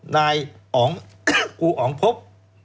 ไหนอ๋งครูอ๋มพบ